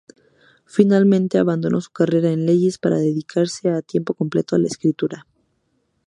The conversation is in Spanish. Finalmente abandonó su carrera en leyes para dedicarse a tiempo completo a la escritura.